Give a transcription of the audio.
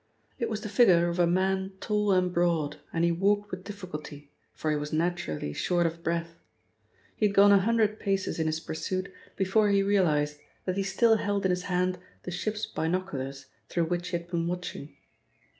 It was the figure of a man tall and broad, and he walked with difficulty, for he was naturally short of breath. He had gone a hundred paces in his pursuit before he realised that he still held in his hand the ship's binoculars through which he had been watching.